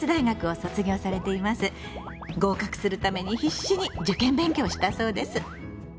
合格するために必死に受験勉強をしたそうです。